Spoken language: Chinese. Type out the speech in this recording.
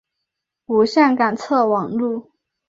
无线感测网路。